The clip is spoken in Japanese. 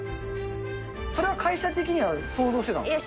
それは会社的には想像してたんですか？